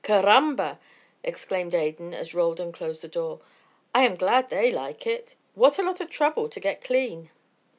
"Caramba!" exclaimed Adan, as Roldan closed the door, "I am glad they like it. What a lot of trouble to get clean."